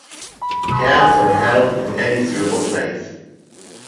Camps are held in any suitable place.